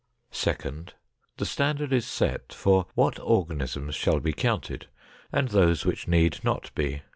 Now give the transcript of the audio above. Second. The standard is set for what organisms shall be counted and those which need not be.